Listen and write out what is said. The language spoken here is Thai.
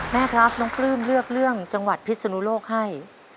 แม่ครับน้องปลื้มเลือกเรื่องจังหวัดพิศนุโลกให้